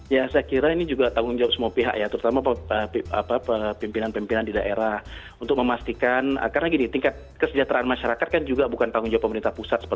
ya saya kira ini juga tanggung jawab semua pihak ya terutama pimpinan pimpinan di daerah untuk memastikan karena gini tingkat kesejahteraan masyarakat kan juga bukan tanggung jawab pemerintah pusat